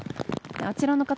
あちらの方